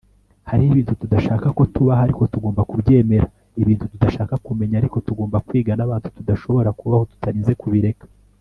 hariho ibintu tudashaka ko tubaho ariko tugomba kubyemera, ibintu tudashaka kumenya ariko tugomba kwiga, n'abantu tudashobora kubaho tutarinze kubireka